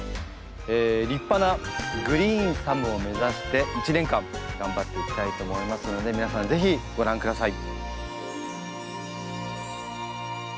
立派なグリーンサムを目指して１年間頑張っていきたいと思いますので皆さん是非ご覧下さい。